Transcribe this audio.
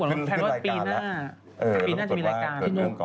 ปีนน่าจะมีรายการ